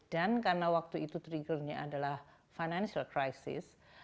dan karena waktu itu triggernya adalah financial crisis